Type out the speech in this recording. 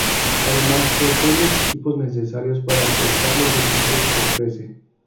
Además, posee los equipos necesarios para prestar los servicios que ofrece.